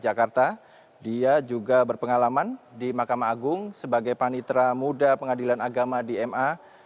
dalam kurun waktu dia juga berpengalaman di makam agung sebagai panitra muda pengadilan agama di ma